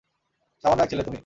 সামান্য এক ছেলে তুমি?